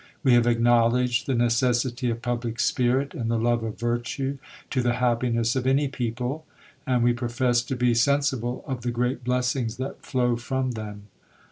We have acknowledged the necessity of public spirit and the love of virtue, to the happiness of any people ; and v/e profess to be sen sible of the great blessings that flow from them.